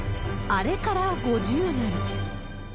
あれから５０年。